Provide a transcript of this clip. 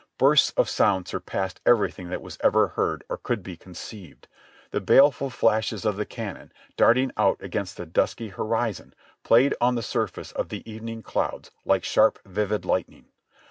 Bursts of sound surpassed everything that was ever heard or could be conceived. The baleful flashes of the cannon, darting out against the dusky horizon, played on the surface of the evening clouds like sharp, vivid lightning.